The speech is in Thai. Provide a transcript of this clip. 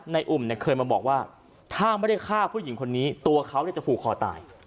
อุ่มเนี่ยเคยมาบอกว่าถ้าไม่ได้ฆ่าผู้หญิงคนนี้ตัวเขาจะผูกคอตาย